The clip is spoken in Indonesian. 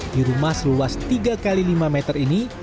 di rumah seluas tiga x lima meter ini